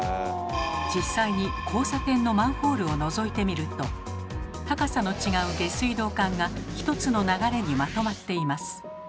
実際に交差点のマンホールをのぞいてみると高さの違う下水道管が１つの流れにまとまっています。